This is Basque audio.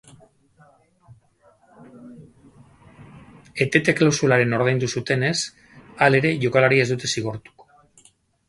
Etete klausularen ordaindu zutenez, halere, jokalaria ez dute zigortuko.